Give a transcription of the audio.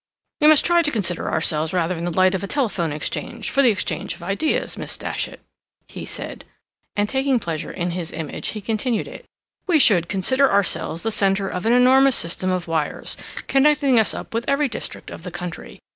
"We must try to consider ourselves rather in the light of a telephone exchange—for the exchange of ideas, Miss Datchet," he said; and taking pleasure in his image, he continued it. "We should consider ourselves the center of an enormous system of wires, connecting us up with every district of the country.